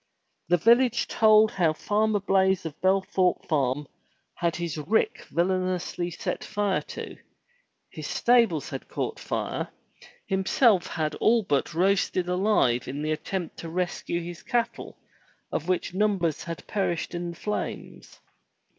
The village told how Farmer Blaize of Belthorpe Farm had his rick villainously set fire to; his stables had caught fire, himself had been all but roasted alive in the attempt to rescue his cattle, of which numbers had perished in the flames.